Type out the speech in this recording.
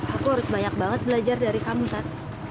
aku harus banyak banget belajar dari kamu saat